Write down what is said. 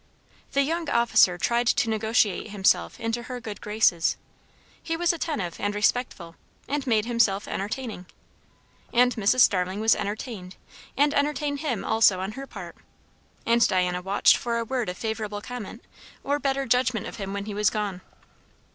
The young officer tried to negotiate himself into her good graces; he was attentive and respectful, and made himself entertaining. And Mrs. Starling was entertained, and entertained him also on her part; and Diana watched for a word of favourable comment or better judgment of him when he was gone.